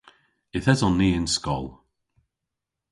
Yth eson ni y'n skol.